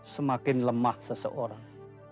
semakin lemah seseorang